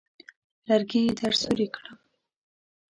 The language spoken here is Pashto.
لرګي درسوري کړم.